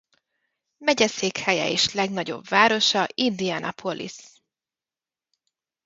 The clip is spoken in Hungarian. Megyeszékhelye és legnagyobb városa Indianapolis.